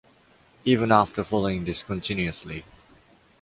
Even after following discontinuously